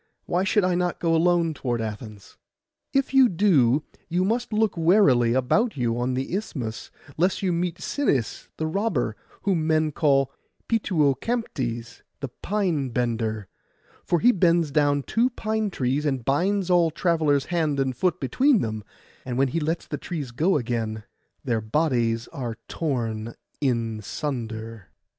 Why should I not go alone toward Athens?' 'If you do, you must look warily about you on the Isthmus, lest you meet Sinis the robber, whom men call Pituocamptes the pine bender; for he bends down two pine trees, and binds all travellers hand and foot between them, and when he lets the trees go again their bodies are torn in sunder.